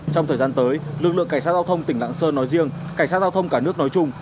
trong thời gian tới lực lượng cảnh sát giao thông tỉnh lạng sơn nói riêng cảnh sát giao thông cả nước nói chung